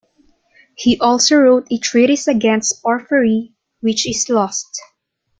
He also wrote a treatise against Porphyry, which is lost.